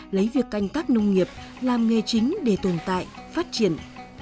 lấy việc canh tác nông nghiệp làm nghề chính để tồn tại phát triển